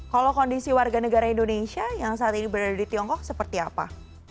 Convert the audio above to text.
kalau kondisi warga negara indonesia yang saat ini berada di tiongkok seperti apa